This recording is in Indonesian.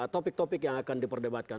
topik topik yang akan diperdebatkan